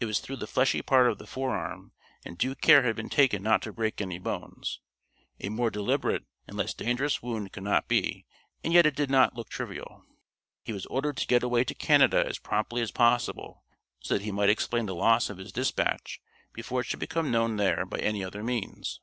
It was through the fleshy part of the forearm, and due care had been taken not to break any bones. A more deliberate and less dangerous wound could not be, and yet it did not look trivial. He was ordered to get away to Canada as promptly as possible, so that he might explain the loss of his dispatch before it should become known there by any other means.